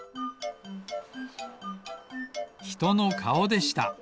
ひとのかおでした！